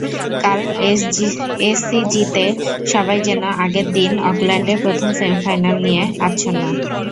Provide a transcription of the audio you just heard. কাল এসসিজিতে সবাই যেন আগের দিন অকল্যান্ডে প্রথম সেমিফাইনাল নিয়ে আচ্ছন্ন।